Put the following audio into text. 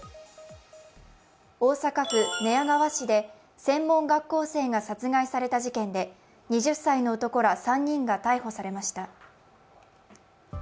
大阪府寝屋川市で専門学校生が殺害された事件で２０歳の男ら３人が逮捕されました。